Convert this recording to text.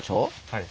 はい。